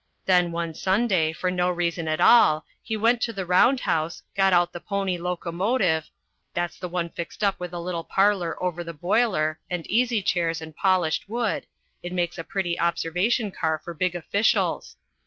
Then, one Sunday, for no reason at all, he went to the round house, got out the 'pony' locomotive that's the one fixed up with a little parlor over the boiler, and easy chairs and polished wood it makes a pretty observation car for big officials.